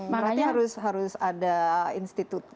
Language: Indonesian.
makanya harus ada institut